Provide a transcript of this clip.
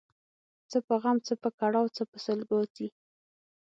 څه په غم ، څه په کړاو څه په سلګو ځي